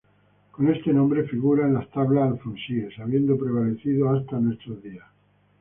Con este nombre figura en las Tablas alfonsíes, habiendo prevalecido hasta nuestros días.